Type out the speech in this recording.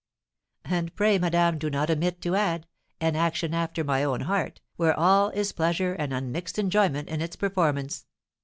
"And pray, madame, do not omit to add, an action after my own heart, where all is pleasure and unmixed enjoyment in its performance.